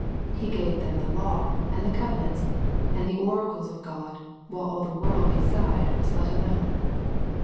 He gave them the law, and the covenants, and the oracles of God, while all the world beside was let alone.